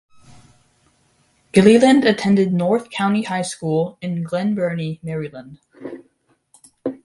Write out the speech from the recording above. Gilleland attended North County High School in Glen Burnie, Maryland.